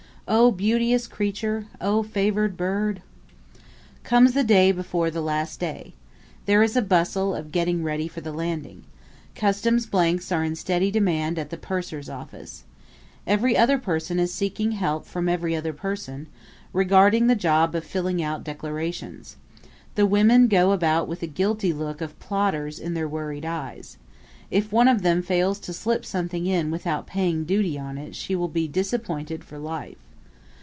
Oh, beauteous creature! Oh, favored bird! Comes the day before the last day. There is a bustle of getting ready for the landing. Customs blanks are in steady demand at the purser's office. Every other person is seeking help from every other person, regarding the job of filling out declarations. The women go about with the guilty look of plotters in their worried eyes. If one of them fails to slip something in without paying duty on it she will be disappointed for life.